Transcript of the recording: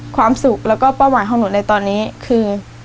ความสุขแล้วก็เป้าหมายของหนูในตอนนี้คือ